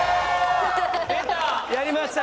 出た。